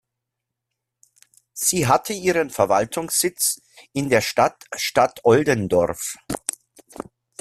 Sie hatte ihren Verwaltungssitz in der Stadt Stadtoldendorf.